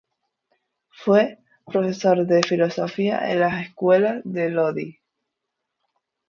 Fue profesor de filosofía en las escuelas de Lodi.